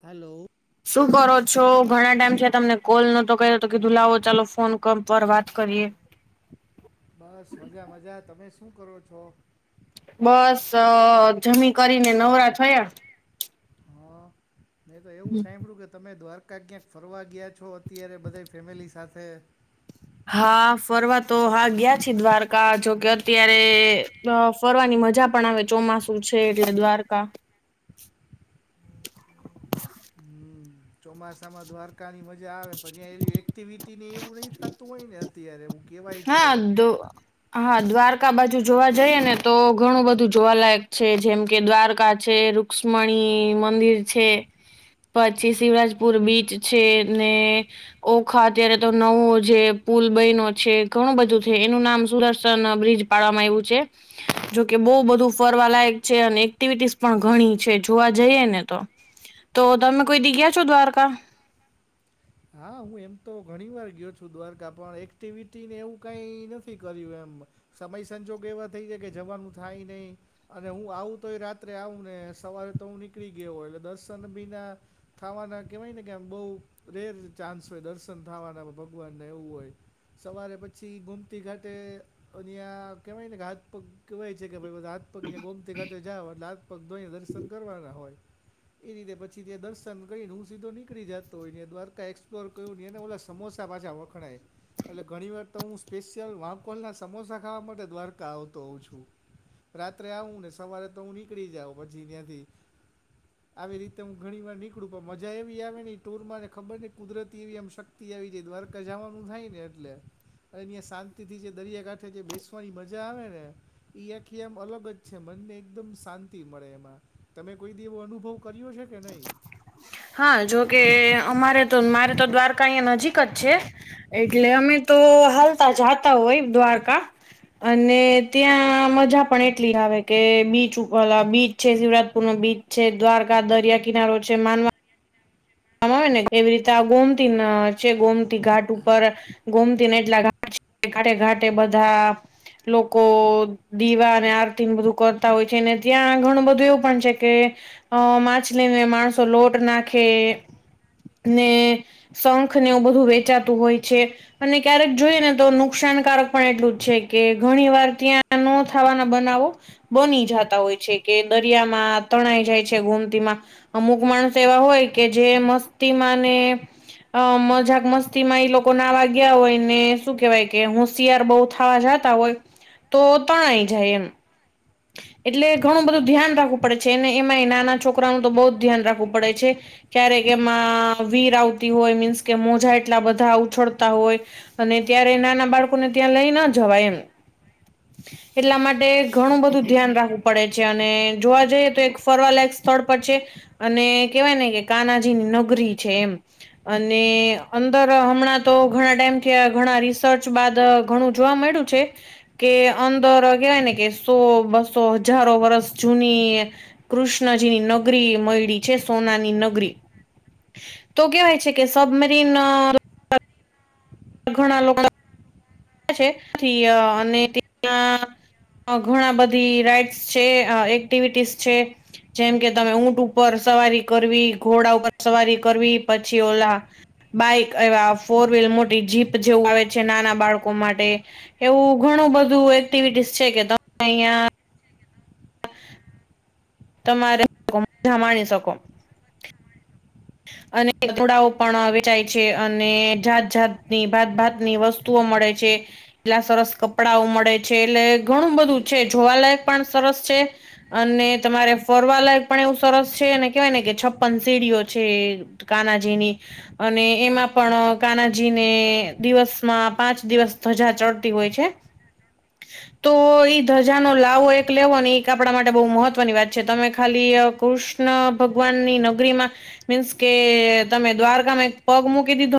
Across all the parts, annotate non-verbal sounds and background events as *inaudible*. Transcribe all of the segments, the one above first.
Hello. શું કરો છો ઘણા ટાઈમ છે તમને કોલ નતો કર્યો તો કીધું લાવો ચાલો ફોન પર વાત કરીએ. બસ મજા મજા તમે શું કરો છો? બસ જમી કરીને નવરા થયા. હા. મે તો એવું સાંભળ્યું કે તમે દ્વારકા ક્યાંક ફરવા ગયા છો અત્યારે બધા ફેમિલી સાથે. હા ફરવા તો હા ગયા છી દ્વારકા જોકે અત્યારે ફરવાની મજા પણ આવે ચોમાસું છે એટલે દ્વારકા હમ ચોમાસામાં દ્વારકા ની મજા આવે પણ ત્યાં એક્ટિવિટી એવું નહી થતું હોય ને અત્યારે કહેવાય છે હા દો. હા દ્વારકા બાજુ જોવા જઈએ ને તો ઘણું બધું જોવાલાયક છે જેમ કે દ્વારકા છે. રુક્ષ્મણી મંદિર છે. પછી શિવરાજપુર બીચ છે ને ઓખા અત્યારે તો નવો જે પુલ બયનો છે. ઘણું બધું છે એનું નામ સુદર્શન બ્રિજ પાડવામાં આવ્યું છે. જોકે બહુ બધું ફરવા લાયક છે અને એક્ટિવિટીસ પણ ઘણી છે જોવા જઈએ ને તો. તો તમે કોઈ દી ગયા છો દ્વારકા? હા હું એમ તો ઘણી વાર ગયો છું દ્વારકા પણ એક્ટિવિટીને એવું કઈ નથી કર્યું એમ. સમય સંજોગ એવા થઈ જાય કે જવાનું થાય નહીં. અને હું આવું તો એ રાત્રે આવું ને સવારે તો હું નીકળી ગયો હો એટલે દર્શન બીના થાવાના કહેવાય ને કે આમ બહુ રેર ચાન્સ હોય દર્શન થવાના ભગવાનના એવું હોય. સવારે પછી ગુમતી ઘાટે અહિંયા કહેવાય ને કે હાથ પગ કહેવાય છે કે ભાઈ બધા હાથપગને ગોમતી ઘાતે જાઓ એટલે હાથપગ ધોઈને દર્શન કરવાના હોય. એ રીતે પછી તે દર્શન કરૂ સીધો નીકળી જાતો હોય દ્વારકા એક *unintelligible* એના ઓલા સમોસા પાછા વખણાય એટલે ઘણી વાર તો હું સ્પેશિયલ વાંકોલના સમોસા ખાવા માટે દ્વારકા આવતો હોઉ છું. રાત્રે આવું ને સવારે તો હું નીકળી જાઉં પછી ત્યાંથી. આવી રીતે હું ઘણી વાર નીકળું પણ મજા એવી આવે ને ટૂરમાં ને ખબર નહી કુદરતી એવી એમ શક્તિ આવી જાય દ્વારકા જવાનું થાય ને એટલે અનેયા શાંતિ થી જે દરિયાકાંઠે જે બેસવાની મજા આવે ને ઈ આખી આમ અલગ જ છે મનને એકદમ શાંતિ મળે એમાં તમે કોઈ દિવ એવો અનુભવ કર્યો છે? કે નહી. હા જોકે અમારે તો મારે તો દ્વારકા અહીંયા નજીક જ છે. એટલે અમે તો હાલતા જાતા હોય દ્વારકા અને ત્યાં મજા પણ એટલી આવે કે બીચ ઉપર બીચ છે શિવરાજપુર નો બીચ છે દ્વારકા દરિયા કિનારો છે માનવા આવે ને એવી રીતે ગોમતી છે ગોમતી ઘાટ ઉપર ગોમતી એટલા ઘાટ ઘાટે ઘાટે બધા. લોકો દીવા અને આરતી બધું કરતા હોય છે ને ત્યાં ઘણું બધું એવું પણ છે કે અ માછલી ને માણસો લોટ નાખે ને શંખ ને એવું બધું વેચાતું હોય છે. અને ક્યારેક જોઈએ ને તો નુકસાનકારક પણ એટલું જ છે કે ઘણી વાર ત્યાં ન થવાના બનાવો બની જતા હોય છે કે દરિયામાં તણાઈ જાય છે ગોમતીમાં અમુક માણસ એવા હોય કે જે મસ્તીમાને અ મજાક મસ્તી માં ઈ લોકો નાવા ગયા હોય ને શું કેહેવાય કે હોશિયાર બઉુ થાવા જાત હોય તો તણાય જાય એમ એટલે ઘણું બધું ધ્યાન રાખવું પડે છે અનેને એમાં નાના છોકરાનું તો બૌ જ ધ્યાન રાખવું પડે છે ક્યારેક એમાં વીર આવતી હોય મીન્સ કે મોજા એટલા બધા ઉછળતા હોય અને ત્યારે નાના બાળકોને ત્યાં લઈ ના જવાય એમ એટલા માટે ઘણું બધું વધુ ધ્યાન રાખવું પડે છે અને જોવા જઈએ તો એક ફરવાલાયક સ્થળ પર છે. અને કેવાય ને કે કાનાજીની નગરી છે એમ અને અંદર હમણાં તો ઘણા ટાઈમ થિયા ઘણા રિસર્ચ બાદ ઘણું જોવા મળ્યું છે કે અંદર કહેવાય ને કે સો બસો હજારો વર્ષ જૂની એ કૃષ્ણજીની નગરી મઇડી છે સોનાની નગરી તો કેવાય છે કે સબમરીન ઘણા લોકો *unintelligible* ઘણા બધી રાઈટ્સ છે એક્ટિવિટીસ છે. જેમ કે તમે ઊંટ ઉપર સવારી કરવી ઘોડા ઉપર સવારી કરવી પછી ઓલા બાઈક એવા ફોર વ્હીલર મોટી જીપ જેવું હોય છે નાના બાળકો માટે એવું ઘણું બધું એક્ટિવિટીસ છે કે તમે અહિયાં તમારે *unintelligible* માણી શકો અને તુડાઓ પણ વેચાય છે અને જાત જાતની ભાતભાત ની વસ્તુ વસ્તુ ઓ મળે છે એટલા સરસ કપડાઓ મળે છે એટલે ઘણું બધું છે જોવાલાયક પણ સરસ છે. અને તમારે ફરવા લાયક પણ એવું સરસ છે અને કેહેવાય ને કે છપ્પન સીડીઓ છે કાનાજીની અને એમાં પણ કાનાજીને દિવસમાં પાંચ દિવસ ધજા ચડતી હોય છે. તોઈ ધજાનોલાવો એક લેવો ને એક આપણા માટે બહુ મહત્વની વાત છે તમે ખાલી કૃષ કૃષ્ણ ભગવાન ની નગરી માં મીન્સ કે તમે દ્વારકામાં એક પગ મૂકી દીધો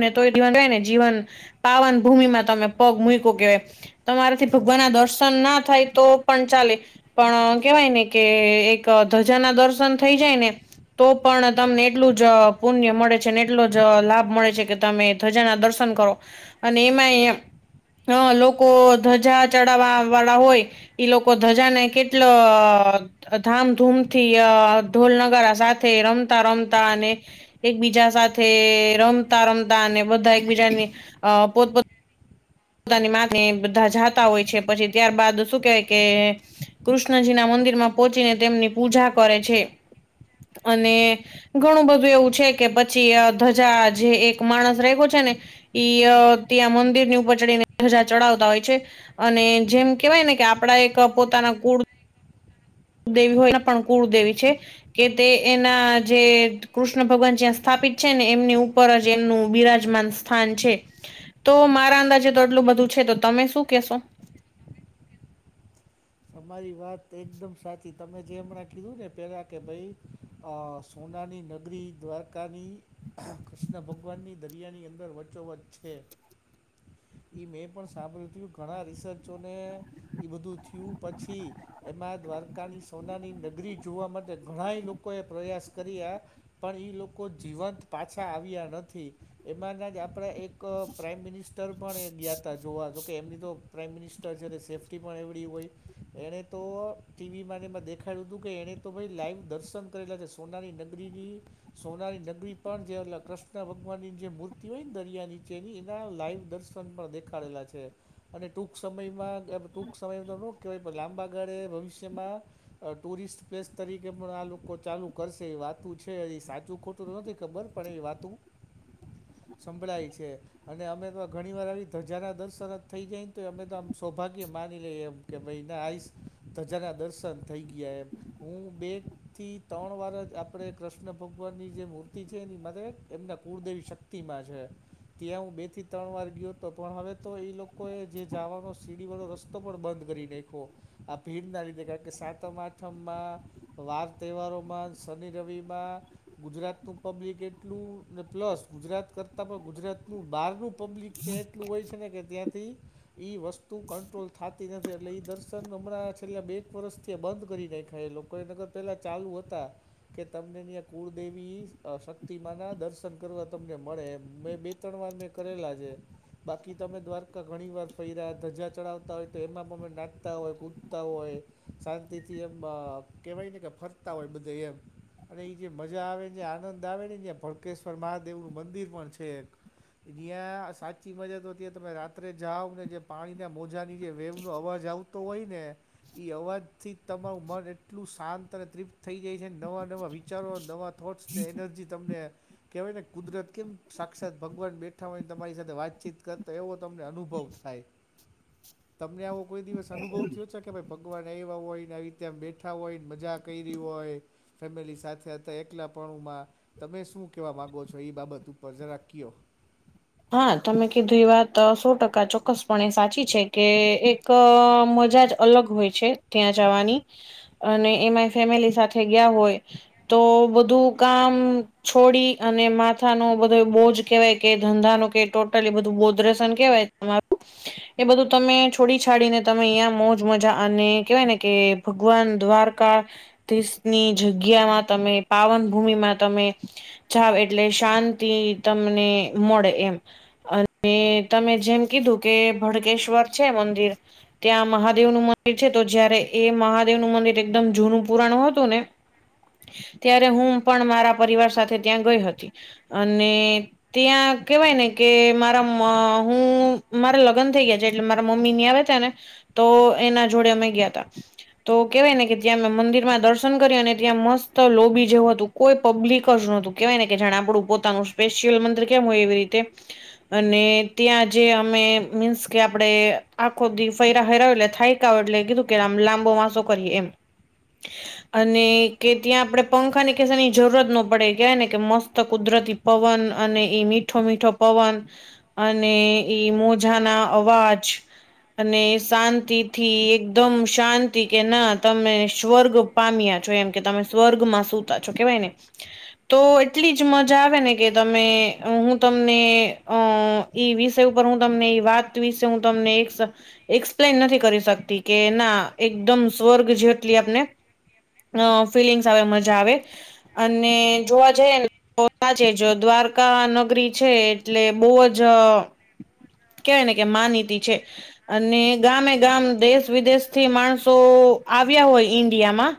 ને તો કેવા થાય ને જીવન પાવન ભૂમિ માં તમે પગ મૂયકો કેવાય તમારાથી ભગવાન ના દર્શન ના થાય તો પણ ચાલે પણ કેવાય ને કે એક ધજા ના દર્શન થઈ જાય ને તો પણ તમને એટલું જ પુણ્ય મળે છે અનેને એટલો જ લાભ મળે છે કે તમે ધજાના દર્શન કરો અને એમાં અ હ લોકો ધજા ચડાવવા વાળા હોય ઈ લોકો ધજાને કેટલા ધામધૂમથી અ ઢોલનગારા સાથે રમતા રમતા અને એકબીજા સાથે રમતા રમતા અને બધા એકબીજાની અ પોતપ પોતાની મા બધા જાતા હોય છે પછી ત્યાર બાાદ શું કેહેવાય કે કૃષ્ણજી ના મંદિર માં પહોંચીને તેમની પૂજા કરે છે અને ઘણું બધું એવું છે કે પછી અ ધજા જે એક માણસ રાયખો છે ને ઈ ત્યાં મંદિર ની ઉપર ધજા ચડાવતા હોય છે અને જેમ કેવાય ને કે આપડા એક પોતાના કુળ દેવી હોયના પણ કુળદેવી છે કે તે એના જે કૃષ્ણ ભગવાન જ્યાં સ્થાપિત છે ને એમની ઉપર જ એમનું બિરાજમાન સ્થાન છે તો મારા અંદાજે તો આટલું બધું છે તો તમે શું કેશો તમારી વાત એકદમ સાચી તમે જે હમણાં કીધું ને પેલા કે ભાઈ અ સોનાની નગરી દ્વારકાની કૃષ્ણ ભગવાનની દરિયાની અંદર વ વચો વચ્ છેે *inaudible* મેં પણ સાંભળ્યું તું ઘણા રિસર્ચોને એ બધું થયું પછી એમાં દ્વારકાની સોનાની નગરી જોવા માટે ઘણાય લોકોએ પ્રયાસ કર્યા પણ ઈ લોકો જીવંત પાછા આવ્યા નથી એમાંના જ આપણે એક એક પ્રાઇમ મિનિસ્ટર પણ એ ગયા ત જોવા જોકે એમની તો પ્રાઇમ મિનિસ્ટર છે સેફ્ટી પણ એવડી હોય એણે તો ટીવી મા મને મા દેખાડુ હતું કે એને તો ભાઈ લાઈવ દર્શન કરેલા છે સોનાની નગરીની સોનારી નગરી પણ જે કૃષ્ણ ભગવાનની જે મૂર્તિ હોય ને દરિયા નીચેની એના લાઈવ દર્શન ન પણ દેખાડેલા છે અને ટૂંક સમયમાં ટૂંક સમયમાં તો કે ભય લાંબા ગાળે ભવિષ્યમાં ટુરિસ્ટ પ્લેસ તરીકે પણ આ લોકો ચાલુ કરશે એ વાતું છે એ સાચું ખોટું તો નથી ખબર પણ એવી વાતું *inaudible* સંભળાય છે અને અમે તો ઘણી વાર આવી ધજાના દર્શન જ થઈ જાયને તો એ અમે તો આમ સૌભાગ્ય માની લ એમ કે ભાઈને આઈશ ધજાના દર્શન થઈ ગયા એમ હું બેથી ત્રણ વાર જ આપણે કૃષ્ણ ભગવાનની જે મૂર્તિ છે એની મારે એમના કુળદેવી શક્તિમાં છે ત્યાં હું બે થી ત્રણ વાર ગયો હતો પણ હવે તો એ લોકો એ જે જવાનો સીડી વાળો રસ્તો પણ બંધ કરી રાઈખો આ ભીડ ના લીધે સાતમ આઠમમાં વાર તહેવારોમાં શનિ રવિમાં ગુજરાતનું પબ્લિક એટલું ને પ્લસ ગુજરાત કરતાં પણ ગુજરાતનું બહારનું પબ્લિક ત્યાં એટલું હોય છે ને કે ત્યાંથી ઈ વસ્તુ કંટ્રોલ થતી નથી એટલે એ દર્શન હમણાં છેલ્લા બે એક વર્ષથી બંધ કરી દેખાય એ લોકો એ નગર પેલા ચાલુ હતા કે તમને ન્યા કુળદેવી શક્તિમા ના દર્શન કરવા તમને મળે મેં બે ત્રણ વાર મેં કરેલા છે બાકી તમે દ્વારકા ઘણી વાર ફઈરા ધજા ચડાવતા હોય તો એમાં પણ અમે નાચતા હોય કૂદતા હોય શાંતિથી એમ કેહેવાય ને કે ફરતા હોય બધા એમ અને એ જે મજા આવે ને આનંદ આવે ને ભળકેશ્વર મહાદેવ ન મંદિર પણ છે એક ત્યાં સાચી મજદતી તમે રાત્રે જાઓ ને જે પાણીના મોજાની જે વેવનોો અવાજ જવું તો હોય ને ઇ અવાજ થી તમારું મન એટલું શાંત અને તૃપ્ત થઈ જાય છે નવા નવા વિચારો નવા થોટ્સ ને એનર્જી તમને કહેવાય ને કુદરત કેમ સાક્ષાત ભગવાન બેઠા હોયને તમારી સાથે વાતચીત કરતા એવો તમને અનુભવ થાય *inaudible* *inaudible* તમને આવો કોઈ દિવસ અનુભવ થયો છે કે ભાઈ ભગવાન આવ્યા હોય ને આવી રીતે આમ બેઠા હોય ને મજા કરી હોય ફેમિલી સાથે હતા એકલા પણ માં તમે શું કહેવા માગો છો એ બાબત ઉપર જરા ક્યો હા તમે કીધું એ વાત સો ટકા ચોક્કસપણે સાચી છે કે એક કે મજાજ જ અલગ હોય છે ત્યાં જવાની અને એમાં ફેમિલી સાથે ગયા હોય તો બધું કામ છોડી અને માથા ન બધો બોજ કેહેવાય કે ધંધા ન કે ટોટલી બધું ગોદરસન કેવાય તમારું એ બધું તમે છોડી છાડીને તમે અહં મોજ મજા અને કેવાય ને કે ભગવાન દ્વારકા દની જગ્યામાં તમે પાવન ભૂમિમાં તમે જાવ એટલે શાંતિ તમને મળે એમ અને તમે જેમ કીધું કે ભડકેશ્વર છે મંદિર ત્યાં મહાદેવ નું મંદિર છે તો જયારે એ મહાદેવ નું મંદિર એકદમ જૂનું પુરાણું હતું ને ત્યારે હું પણ મારા પરિવાર સાથે ત્યાં ગઈ હતી અને ત્યાં કેવાય ને કે મારા હું મારા લગ્ન થઈ ગયા છે એટલે મારા મમ્મી ની આવે ત ને તો એના જોડે અમે ગયા તા તો કેવાય ને કે જ્યાં મેં મંદિરમાં દર્શન કર્યું અને ત્યાં મસ્ત લોબી જેવું હતું કોઈ પબ્લિક જ નતું કેવાય ને કે જા આપડું પોતાનું સ્પેશિયલ મંદિર કેમ હોય એવી રીતે અને ત્યાં જે અમે મીન્સ કે આપડે આખો દી ફૈરા હૈરા એટલે થાય *unintelligible* કીધું કેમ લાંબો વાસો કરીએ એમ અને કે ત્યાં આપડે પંખા ની કેસાની જરૂરત ન પડે કહેવાય ને કે મસ્ત કુદરતી પવન અને એઈ મીઠો મીઠો પવન અને ઈ મોજાના અવાજ અને શાંતિ થી એકદમ શાંતિ કે ના તમે સ્વર્ગ પામ્યા છો એમ કે તમે સ્વર્ગમાં સુતા છો કેવાય ને તો એટલી જ મજા આવે ને કે તમે હું તમને અ ઈ વિષય ઉપર હું તમને એ વાત વિશે હું તમને એક એક્સપ્લેન નથી કરી શકતી કે એના એકદમ સ્વર્ગ જેટલી આપણે અ ફિલિંગ્સ આવે મજા આવે અને જોવા જઈએ ને છે દ્વાર કા નગરી છે એટલે બહુ જ કેવાય ને કે માનીતી છે. અને ગામે ગામ દેશ વિદેશ થી માણસો આવ્યા હોય ઈન્ડિયામાં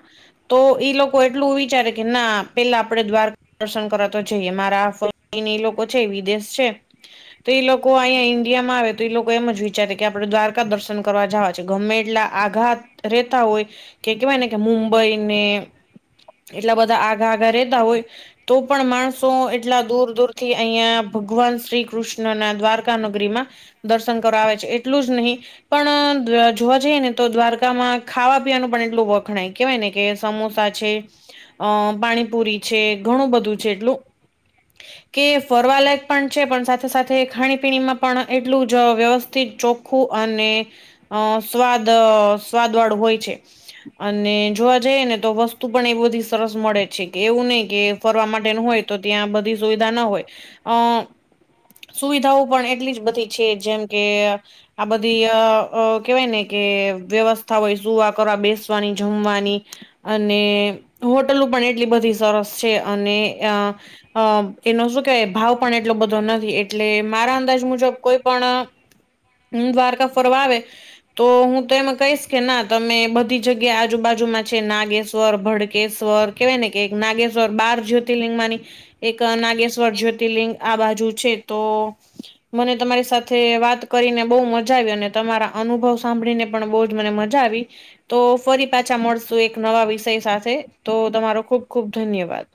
તો ઈ લોકો એટલું વિચારે કે ના પેલા આપડે દ્વારકા દર્શન કરવા તો જઈએ મારા ફ એને એ લોકો છે વિદેશ છે. તો એઈ લોકો અહીંયા ઈન્ડિયામાં આવે તો એઈ લોકો એમ જ વિચારે કે આપડે દ્વારકા દર્શન કરવા જવા ગમે એટલા આઘાત રેતા હોય કે કેહેવાય ને કે મુંબઈ ને એટલા બધા આગા આગા રેતા હોય તો પણ માણસો એટલા દૂર દૂર થી અહિયાં ભગવાન શ્રી કૃષ્ણ ના દ્વારકા નગરી માં દર્શન કરવા આવે છે એટલું જ નહીં પણ જોવા જઈએ ને તો દ્વારકામાં ખાવા પીવાનું પણ એટલું વખણાય કેવાય ને કે સમોસા છે અ પાણીપુરી છે ઘણું બધું છે એટલું કે ફરવાલાયક પણ છે પણ સાથે સાથે ખાણીપીણીમાં પણ એટલું જ વ્યવસ્થિત ચો આખું અને અ સ્વાદ સ્વાદ વાળું હોય છે. અને જોવા જઈએ ને તો વસ્તુ પણ એ બધી સરસ મળે છે કે એવું નહી કે ફરવા માટેનું હોય તો ત્યાં બધી સુવિધા ના હોય અ સુવિધાઓ પણ એટલી જ બધી છે જેમ કે આ બધી કેવાય ને કે વ્યવસ્થા હોય સુવા કરવા બેસવાની જમવાની અને હોટલુ પણ એટલી બધી સરસ છે અને અ અ એનો શું કે ભાવ પણ એટલો બધો નથી એટલે મારા અંદાજ મુજબ કોઈ પણ હ દ્વારકા ફરવા આવે તો હું તો એમાં કહીશ કે ના તમે બધી જગ્યા આજુબાજુમાં છે નાગેશ્વર, ભડકેશ્વર, કેહેવાય ને કે એક નાગેશ્વર બાર જ્યોતિર્લિંગ માની એક નાગેશ્વર જ્યોતિર્લિંગ આ બાજુ છે તો મને તમારી સાથે વાત કરીને બહુ મજા આવી અને તમારા અનુભવ સાંભળીને પણ બહુ જ મને મજા આવી તો ફરી પાછા મળશું એક નવા વિષય સાથે તો તમારો ખુબ ખુબ ધન્યવાદ.